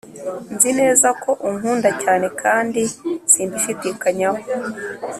nzi neza ko unkunda cyane kandi simbishidikanyaho